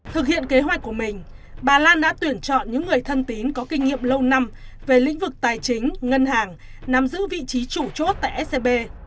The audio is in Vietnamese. thực hiện kế hoạch của mình bà lan đã tuyển chọn những người thân tín có kinh nghiệm lâu năm về lĩnh vực tài chính ngân hàng nắm giữ vị trí chủ chốt tại scb